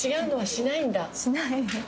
しない。